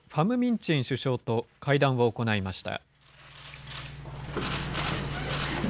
チン首相と会談を行いました。